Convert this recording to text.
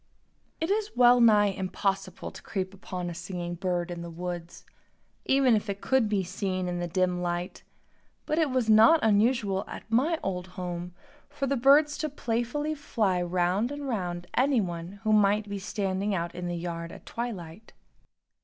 It is well nigh impossible to creep upon a singing bird in the woods, even if it could be seen in the dim light, but it was not unusual, at my old home, for the birds to playfully fly round and round anyone who might be standing out in the yard at twilight.